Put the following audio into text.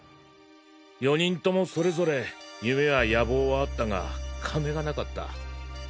４人ともそれぞれ夢や野望はあったが金がなかった。